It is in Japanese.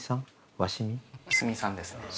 鷲見さんですね。